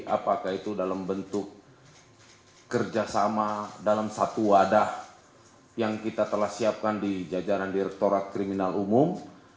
apakah itu dalam bentuk kerjasama dalam satu wadah yang kita telah siapkan di jajaran direkturat kriminal umum